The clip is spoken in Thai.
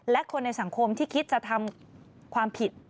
และคนในสังคมที่คิดจะทำความผิด